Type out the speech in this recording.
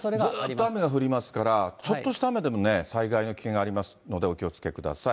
ずっと雨が降りますから、ちょっとした雨でもね、災害の危険がありますのでお気をつけください。